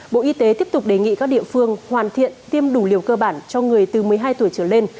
bộ y tế tiếp tục đề nghị các địa phương hoàn thiện tiêm đủ liều cơ bản cho người từ một mươi hai tuổi trở lên